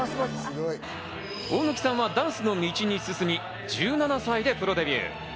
大貫さんはダンスの道に進み、１７歳でプロデビュー。